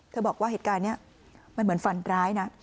บอกว่าเหตุการณ์นี้มันเหมือนฟันร้ายนะ